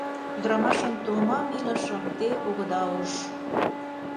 Ӱдырамашын томам илышым те огыда уж.